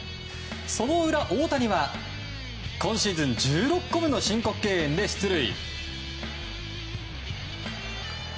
その裏、大谷は今シーズン１６個目の申告敬遠で出塁。